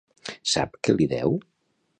Sap què li deu?